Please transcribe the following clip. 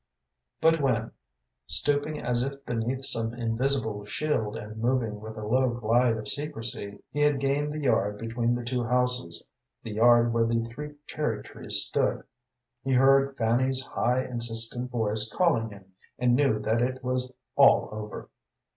But when, stooping as if beneath some invisible shield, and moving with a low glide of secrecy, he had gained the yard between the two houses, the yard where the three cherry trees stood, he heard Fanny's high, insistent voice calling him, and knew that it was all over.